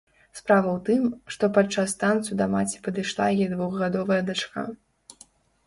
Справа ў тым, што падчас танцу да маці падышла яе двухгадовая дачка.